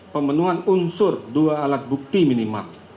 pemenuhan unsur dua alat bukti minimal